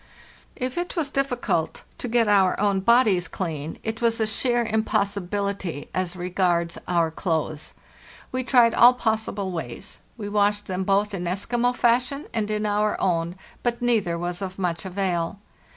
If it was difficult to get our own bodies clean, it was THE NEW YEAR, 1896 463 a sheer impossibility as regards our clothes. We tried all possible ways; we washed them both in Eskimo fashion and in our own; but neither was of much avail.